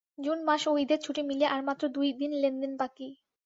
June মাস ও ঈদের ছুটি মিলিয়ে আর মাত্র দুই দিন লেনদেন বাকি।